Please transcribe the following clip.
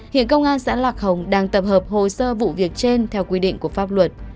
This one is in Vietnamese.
hiện công an xã lạc hồng đang tập hợp hồ sơ vụ việc trên theo quy định của pháp luật